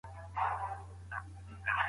ایا مسلکي بڼوال چارمغز ساتي؟